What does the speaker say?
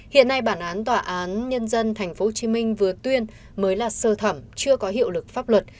hiện nay bản án tòa án nhân dân tp hcm vừa tuyên mới là sơ thẩm chưa có hiệu lực pháp luật